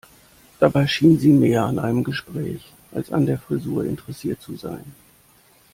Dabei schien sie mehr an einem Gespräch als an der Frisur interessiert zu sein.